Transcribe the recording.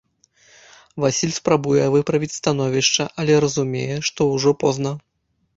Васіль спрабуе выправіць становішча, але разумее, што ўжо позна.